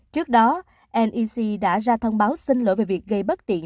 trước đó nec đã ra thông báo xin lỗi về việc gây bất tiện